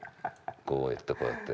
こうやってこうやって。